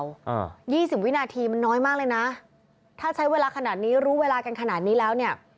อ่ายี่สิบวินาทีมันน้อยมากเลยนะถ้าใช้เวลาขนาดนี้รู้เวลากันขนาดนี้แล้วเนี่ย